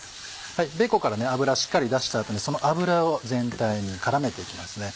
ベーコンから脂しっかり出した後にその脂を全体に絡めていきます。